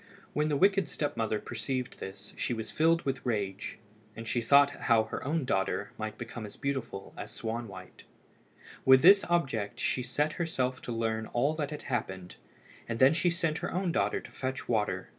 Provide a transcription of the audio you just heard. When the wicked step mother perceived this, she was filled with rage, and she thought how her own daughter might become as beautiful as Swanwhite. With this object she set herself to learn all that had happened, and then she sent her own daughter to fetch water.